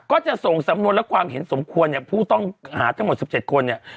ก็จะส่งสำนวนและความเห็นสมควรเนี่ยผู้ต้องหาทั้งหมด๑๗คนเนี่ย